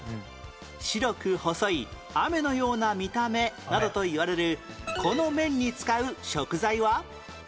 白く細い雨のような見た目などといわれるこの麺に使う食材は？